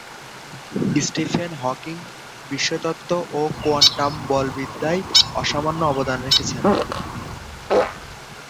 Stephen Hawking, বিশ্বতত্ত্ব ও quantum বলবিদ্যায় অসামান্য অবদান রেখেছেন।